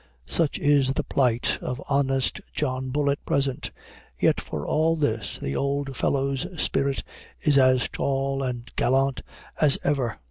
Such is the plight of honest John Bull at present; yet for all this the old fellow's spirit is as tall and as gallant as ever.